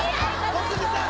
小杉さん！